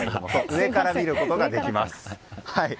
上から見ることができます。